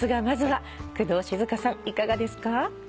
まずは工藤静香さんいかがですか？